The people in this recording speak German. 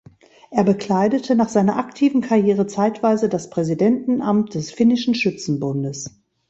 Er bekleidete nach seiner aktiven Karriere zeitweise das Präsidentenamt des finnischen Schützenbundes.